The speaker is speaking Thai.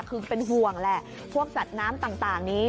คือเป็นห่วงแหละพวกสัตว์น้ำต่างนี้